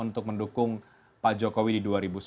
untuk mendukung pak jokowi di